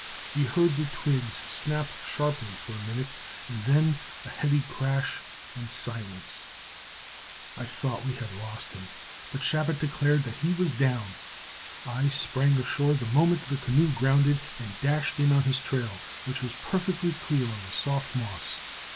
We heard the twigs snap sharply for a minute, and then a heavy crash and silence. I thought we had lost him, but Chabot declared that he was down. I sprang ashore the moment the canoe grounded, and dashed in on his trail, which was perfectly clear on the soft moss.